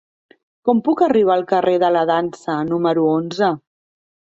Com puc arribar al carrer de la Dansa número onze?